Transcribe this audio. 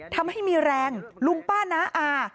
ทำให้มีแรงลุงป้าน้าอา